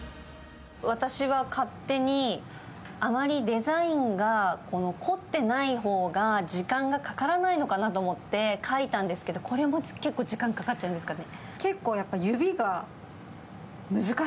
私は勝手にあまりデザインが凝っていない方が時間がかからないのかなと思って描いたんですけど、これも結構時間かかっちゃうんですかね？